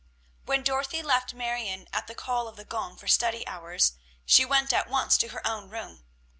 When Dorothy left Marion at the call of the gong for study hours she went at once to her own room.